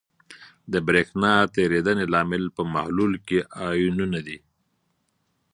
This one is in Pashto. د برېښنا تیریدنې لامل په محلول کې آیونونه دي.